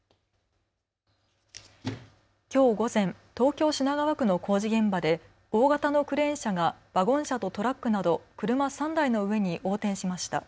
きょう午前、東京品川区の工事現場で大型のクレーン車がワゴン車とトラックなど車３台の上に横転しました。